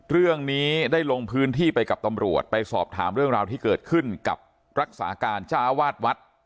เรื่องนี้ได้ลงพื้นที่ไปกับตำรวจไปสอบถามเรื่องราวที่เกิดขึ้นกับรักษาการจ้าวาดวัด